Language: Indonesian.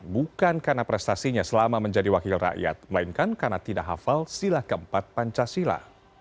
bukan karena prestasinya selama menjadi wakil rakyat melainkan karena tidak hafal sila keempat pancasila